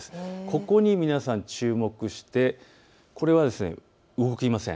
ここに皆さん注目して、これは動きません。